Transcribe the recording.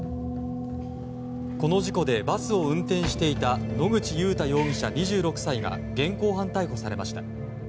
この事故でバスを運転していた野口祐太容疑者、２６歳が現行犯逮捕されました。